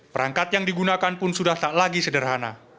perangkat yang digunakan pun sudah tak lagi sederhana